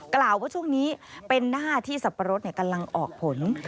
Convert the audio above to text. กล่าวว่าช่วงนี้เป็นหน้าที่สับปะรดกำลังออกผล